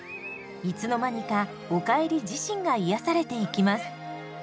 いつの間にかおかえり自身が癒やされていきます。